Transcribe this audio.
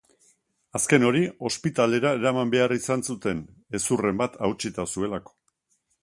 Azken hori ospitalera eraman behar izan zuten, hezurren bat hautsita zuelako.